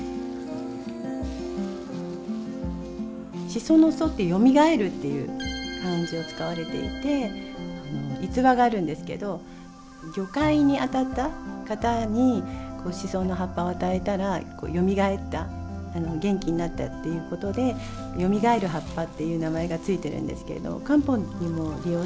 紫蘇の「蘇」って「蘇る」っていう漢字を使われていて逸話があるんですけど魚介にあたった方に紫蘇の葉っぱを与えたらこう蘇った元気になったっていうことで蘇る葉っぱっていう名前が付いてるんですけれど漢方にも利用されていて。